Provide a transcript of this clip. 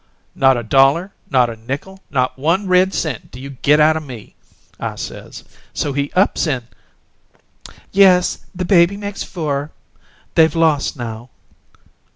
"Not a dollar, not a nickel, not one red cent do you get out o' me,' I says, and so he ups and "... "Yes, the baby makes four, they've lost now."...